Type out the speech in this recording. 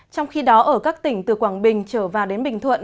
trong khi đó ở các tỉnh từ quảng bình trở vào đến bình thuận